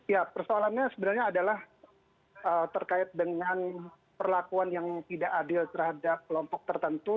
ya persoalannya sebenarnya adalah terkait dengan perlakuan yang tidak adil terhadap kelompok tertentu